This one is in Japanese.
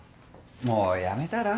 もうやめたら？